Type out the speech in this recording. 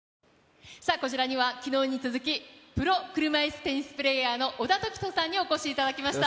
こちらには、きのうに続き、プロ車いすテニスプレーヤーの小田凱人さんにお越しいただきました。